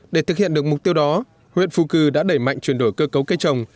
để thực hiện được mục tiêu đó huyện phục cư đã đẩy mạnh chuyển đổi cơ cấu cây trồng